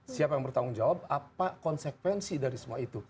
siapa yang bertanggung jawab apa konsekuensi dari semua itu